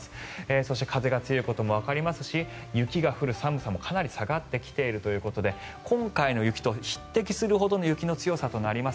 そして風が強いこともわかりますし雪が降る、寒さもかなり下がってきているということで今回の雪と匹敵するほどの雪の強さとなります。